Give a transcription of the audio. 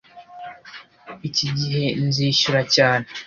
Iki gihe nzishyura cyane